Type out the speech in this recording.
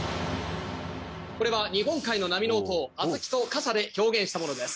これが日本海の波の音小豆と傘で表現したものです